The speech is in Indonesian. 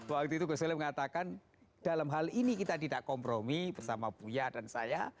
waktu itu gus soleh mengatakan dalam hal ini kita tidak kompromi bersama buya dan saya